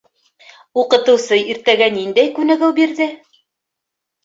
Уҡытыусы иртәгә ниндәй күнегеү бирҙе?